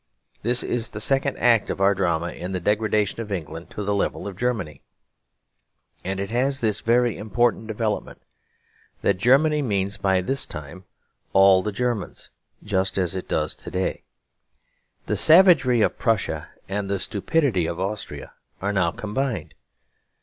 This is the second act of our drama of the degradation of England to the level of Germany. And it has this very important development; that Germany means by this time all the Germans, just as it does to day. The savagery of Prussia and the stupidity of Austria are now combined.